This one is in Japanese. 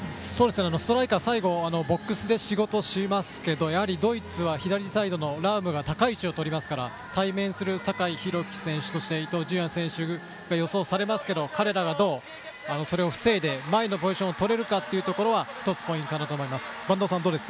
ストライカーは最後ボックスで仕事しますがドイツは左サイドのラウムが高い位置をとりますから対面する酒井宏樹選手、伊東純也選手が想定されますが彼らがどう防いで前のポジションを取れるかがポイントだと思います。